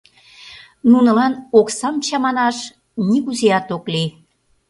Нунылан оксам чаманаш нигузеат ок лий.